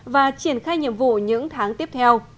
và triển khai nhiệm vụ những tháng tiếp theo